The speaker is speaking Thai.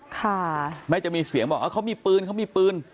ค่ะแม้จะมีเสียงบอกเออเขามีปืนเขามีปืน